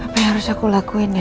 apa yang harus aku lakuin ya